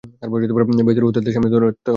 বেহেশতের হুর তাদের সামনে ধরতে হবে।